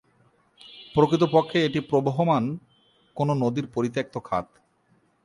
প্রকৃতপক্ষে এটি প্রবহমান কোন নদীর পরিত্যক্ত খাত।